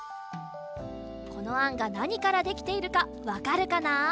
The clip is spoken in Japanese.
このあんがなにからできているかわかるかな？